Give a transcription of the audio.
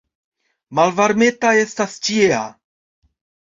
Malvarmeta estas ĉiea.